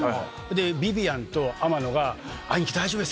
でビビアンと天野が「兄貴大丈夫ですか？」